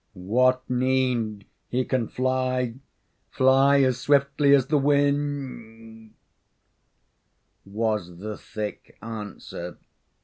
"What need? He can fly fly as swiftly as the wind," was the thick answer.